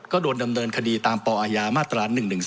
ก็โดนดำเนินคดีตามปอายามาตรา๑๑๒